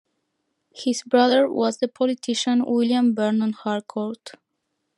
His brother was the politician William Vernon Harcourt.